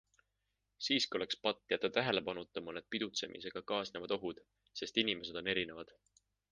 Siiski oleks patt jätta tähelepanuta mõned pidutsemisega kaasnevad ohud, sest inimesed on erinevad.